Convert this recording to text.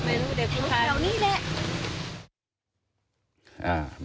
แถวนี้แหละ